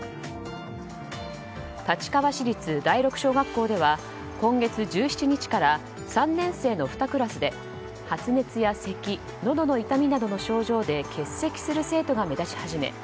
立川市立第六小学校では今月１７日から３年生の２クラスで発熱やせきのどの痛みなどの症状で欠席する生徒が目立ち始め